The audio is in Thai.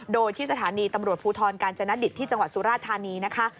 โดยที่สถานีตำรวจภูทรกาญจนดิตที่จังหวัดสุราธานีนะคะ